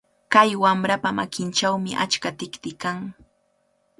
Kay wamrapa makinchawmi achka tikti kan.